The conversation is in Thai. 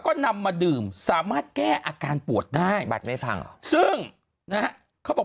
ก็นำมาดื่มสามารถแก้อาการปวดได้บัตรไม่พังเหรอซึ่งนะฮะเขาบอก